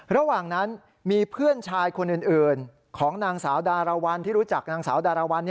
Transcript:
ระหว่างนั้นมีเพื่อนชายคนอื่นของนางสาวดารวรรณที่รู้จักนางสาวดารวรรณ